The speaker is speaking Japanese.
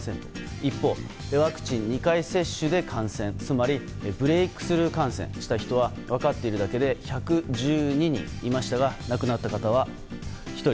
一方、ワクチン２回接種で感染つまりブレークスルー感染した人は分かっているだけで１１２人いましたが亡くなった方は１人。